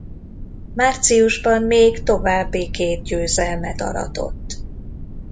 Márciusban még további két győzelmet aratott.